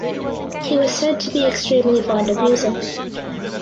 He was said to be "extremely fond of music".